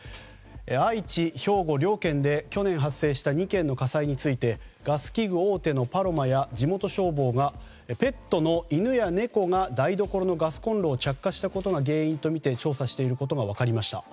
愛知・兵庫両県で去年発生した２件の火災についてガス器具大手のパロマや地元消防がペットの犬や猫が台所のガスコンロを着火したことが原因とみて調査していることが分かりました。